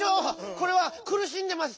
これはくるしんでますって！